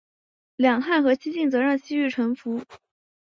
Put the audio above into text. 两汉和西晋则让西域臣服。